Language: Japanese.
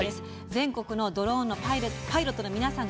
全国のドローンのパイロットの皆さん